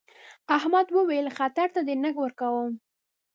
احمد وويل: خطر ته دې نه ورکوم.